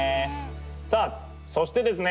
さぁそしてですね